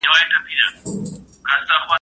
زه ليکلي پاڼي ترتيب کړي دي!